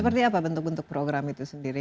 seperti apa bentuk bentuk program itu sendiri